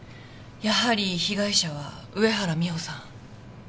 やはり被害者は上原美帆さん。